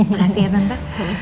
makasih ya tante